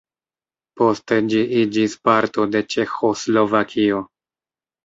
Poste ĝi iĝis parto de Ĉeĥoslovakio.